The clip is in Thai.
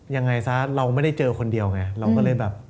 ยังไงซะเราไม่ได้เจอคนเดียวไงเราก็เลยแบบ